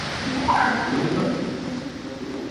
তার নাক ও কান সুতা দিয়ে একটি গাছের সাথে লটকে দেয়া হয়েছে।